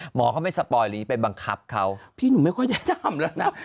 หมอเขาไม่สปอยลีไปบังคับเขาพี่หนูไม่ค่อยได้ทำแล้วนะ